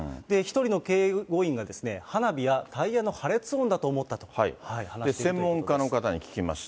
１人の警護員が、花火やタイヤの破裂音だと思ったと話しています。